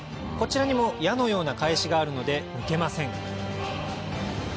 こちらにも矢のような返しがあるので抜けません